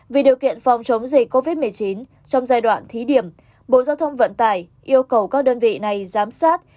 vì điều kiện phòng chống dịch covid một mươi chín trong giai đoạn thí điểm bộ giao thông vận tải yêu cầu các đơn vị này giám sát